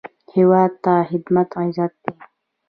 هیواد ته خدمت عزت دی